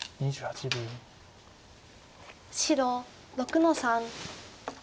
白６の三。